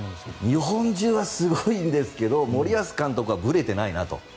日本中はすごいんですけど森保監督はぶれていないなと。